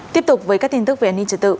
tiếp tục với các tin tức về an ninh trật tự